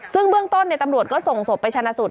ซึ่งเบื้องต้นตำรวจก็ส่งศพไปชนะสูตร